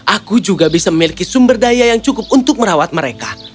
aku juga bisa memiliki sumber daya yang cukup untuk merawat mereka